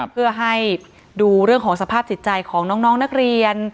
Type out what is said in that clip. เพื่อให้ดูเรื่องของสภาพจิตใจของน้องนักเรียน